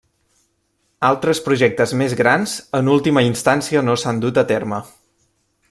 Altres projectes més grans, en última instància no s'han dut a terme.